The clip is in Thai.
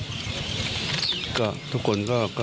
อีกสักครู่เดี๋ยวจะ